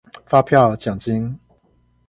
發票獎金